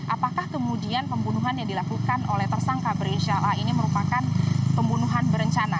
apakah kemudian pembunuhan yang dilakukan oleh tersangka berinisial a ini merupakan pembunuhan berencana